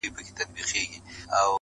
د پردیو ملایانو له آذانه یمه ستړی.!